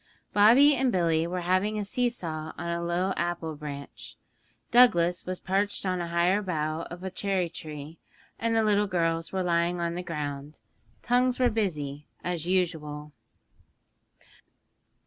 Bobby and Billy were having a see saw on a low apple branch; Douglas was perched on a higher bough of a cherry tree, and the little girls were lying on the ground. Tongues were busy, as usual.